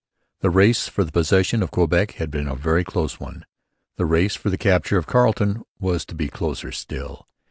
The race for the possession of Quebec had been a very close one. The race for the capture of Carleton was to be closer still.